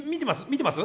見てます？